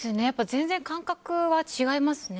全然感覚は違いますね